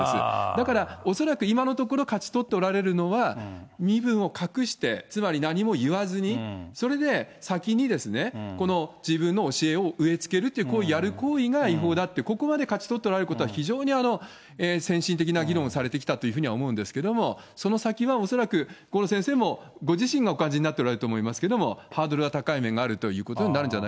だから恐らく今のところ勝ち取っておられるのは、身分を隠して、つまり何も言わずに、それで先にこの自分の教えを植えつけると、いうことをやる行為が違法だっていう、ここは勝ち取っておられることは、非常に先進的な議論をされてきたというふうには思うんですけど、その先は恐らく郷路先生もご自身がお感じになっておられると思いますけど、ハードルは高い面があるということになるんじ